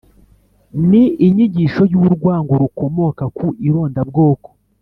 ni inyigisho y’urwango rukomoka ku irondabwoko